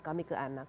kami ke anak